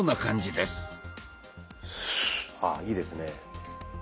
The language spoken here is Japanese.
あいいですね。